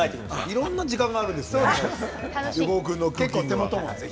いろんな時間があるんですね。